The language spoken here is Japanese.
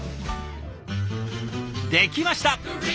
できました！